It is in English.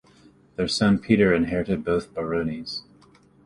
Their son Peter inherited both Baronies.